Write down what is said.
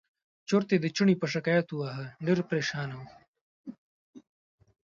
چورت یې د چڼي په شکایت وواهه ډېر پرېشانه و.